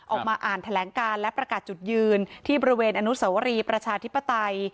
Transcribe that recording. ออกมาอ่านแถลงการและประกาศจุดยืนที่บริเวณอนุสวรีประชาธิปไตย